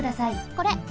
これ！